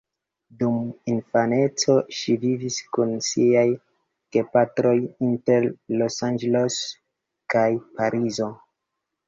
Dum infaneco ŝi vivis kun siaj gepatroj inter Los-Anĝeleso kaj Parizo.